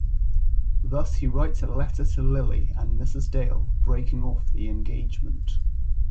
Thus he writes a letter to Lily and Mrs. Dale breaking off the engagement.